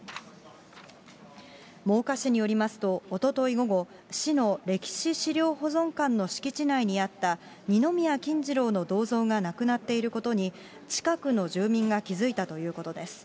真岡市によりますと、おととい午後、市の歴史資料保存館の敷地内にあった二宮金次郎の銅像がなくなっていることに、近くの住民が気付いたということです。